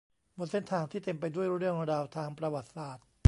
บนเส้นทางที่เต็มไปด้วยเรื่องราวทางประวัติศาสตร์